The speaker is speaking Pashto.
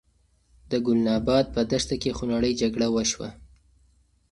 د ګلناباد په دښته کې خونړۍ جګړه وشوه.